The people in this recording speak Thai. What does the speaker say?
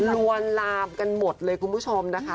ลวนลามกันหมดเลยคุณผู้ชมนะคะ